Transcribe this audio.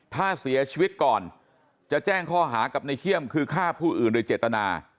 ถ้าเสียชีวิตก่อนจะแจ้งข้อหากับในเขี้ยมคือฆ่าผู้อื่นโดยเจตนา